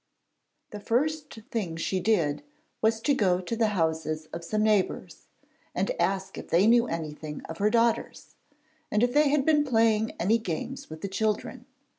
The first thing she did was to go to the houses of some neighbours, and ask if they knew anything of her daughters, and if they had been playing any games with the children.